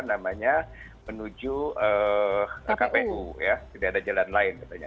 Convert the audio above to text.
tidak ada jalan lain katanya